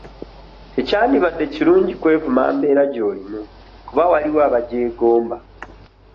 Tekyandibadde kirungi kwevuma mbeera gy'olimu kuba waliwo abagyegomba.